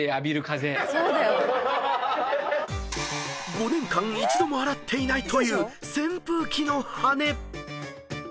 ［５年間一度も洗っていないという扇風機の羽根］